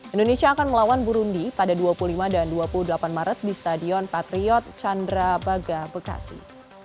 indonesia akan melawan burundi pada dua puluh lima dan dua puluh delapan maret di stadion patriot chandra baga bekasi